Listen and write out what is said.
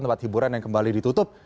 tempat hiburan yang kembali ditutup